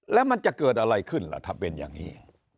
แล้วมันจะเกิดอะไรขึ้นล่ะถ้าเป็นอย่างนี้